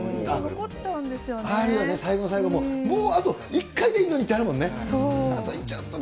あるよね、最後の最後、もうあと１回でいいのにってあるもんね。